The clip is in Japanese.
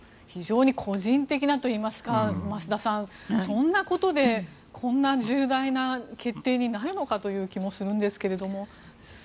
非常に個人的なといいますか、増田さんそんなことでこんな重大な決定になるのかという気もするんですけど。